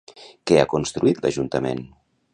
Què ha construït l'Ajuntament?